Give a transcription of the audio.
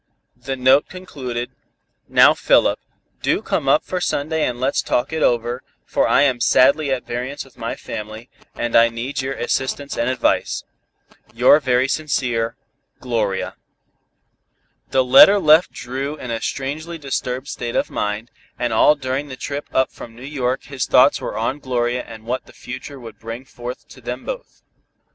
The note concluded: "Now, Philip, do come up for Sunday and let's talk it over, for I am sadly at variance with my family, and I need your assistance and advice. "Your very sincere, "GLORIA." The letter left Dru in a strangely disturbed state of mind, and all during the trip up from New York his thoughts were on Gloria and what the future would bring forth to them both.